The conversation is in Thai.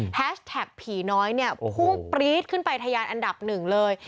แท็กผีน้อยเนี่ยพุ่งปรี๊ดขึ้นไปทะยานอันดับหนึ่งเลย